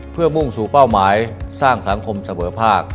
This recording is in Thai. เพื่อมุ่งสู่เป้าหมายสร้างสังคมเสมอภาค